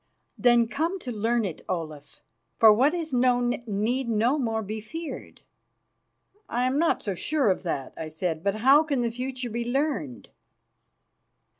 "Then come to learn it, Olaf, for what is known need no more be feared." "I am not so sure of that," I said. "But how can the future be learned?"